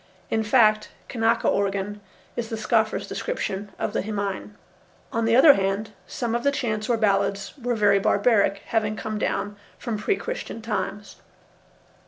In fact, "kanaka organ" is the scoffer's description of the himine. On the other hand, some of the chants or ballads were very barbaric, having come down from pre Christian times.